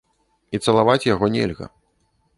І цалаваць яго нельга.